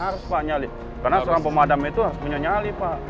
harus pak nyali karena seorang pemadam itu harus punya nyali pak